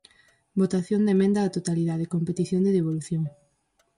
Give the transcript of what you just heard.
Votación da emenda á totalidade, con petición de devolución.